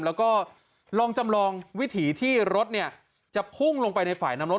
แล้วก็ลองจำลองวิถีที่รถจะพุ่งลงไปในฝ่ายน้ำรถ